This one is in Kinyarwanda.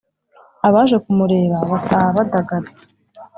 Abaje kumureba bataha badagadwa